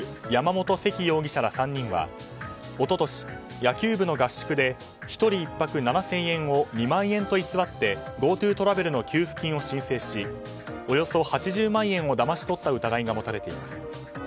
山本セキ容疑者ら３人は一昨年、野球部の合宿で１人１泊７０００円を２万円と偽ってＧｏＴｏトラベルの給付金を申請しおよそ８０万円をだまし取った疑いが持たれています。